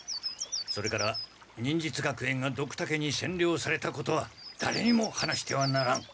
それから忍術学園がドクタケにせんりょうされたことはだれにも話してはならん。